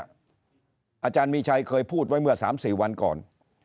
อาจารย์มีชัยเคยพูดไว้เมื่อ๓๔วันก่อน